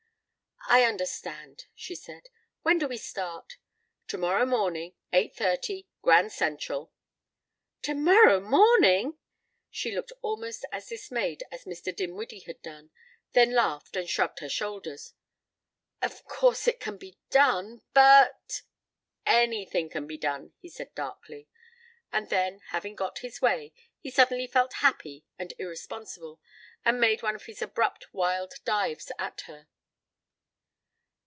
"I understand," she said. "When do we start?" "Tomorrow morning. Eight thirty. Grand Central." "Tomorrow morning!" She looked almost as dismayed as Mr. Dinwiddie had done, then laughed and shrugged her shoulders. "Of course it can be done but " "Anything can be done," he said darkly. And then, having got his way, he suddenly felt happy and irresponsible, and made one of his abrupt wild dives at her.